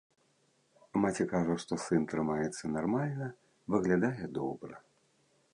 Маці кажа, што сын трымаецца нармальна, выглядае добра.